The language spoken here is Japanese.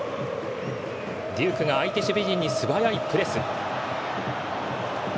デュークが相手守備陣に素早いプレス。